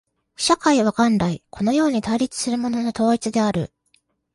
社会は元来このように対立するものの統一である。